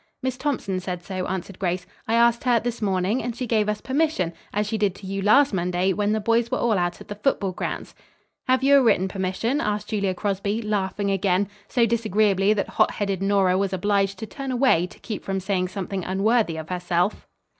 "Miss Thompson said so," answered Grace. "I asked her, this morning, and she gave us permission, as she did to you last Monday, when the boys were all out at the football grounds." "Have you a written permission?" asked Julia Crosby, laughing again, so disagreeably that hot headed Nora was obliged to turn away to keep from saying something unworthy of herself.